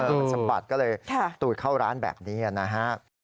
มันสะบัดก็เลยตูดเข้าร้านแบบนี้นะฮะ